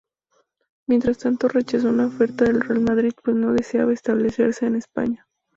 Mientras tanto, rechazó una oferta del Real Madrid pues no deseaba establecerse en España.